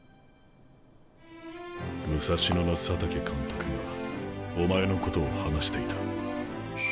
武蔵野の佐竹監督がお前のことを話していた。